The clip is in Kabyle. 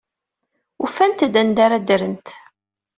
Ufant-d anda ara ddrent.